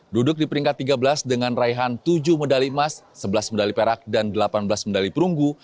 duduk di peringkat tiga belas dengan raihan tujuh medali emas sebelas medali perak dan delapan belas medali perunggu